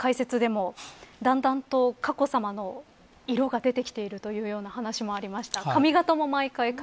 若狭さん、解説でもだんだんとを佳子さまの色が出てきているというような話もありました。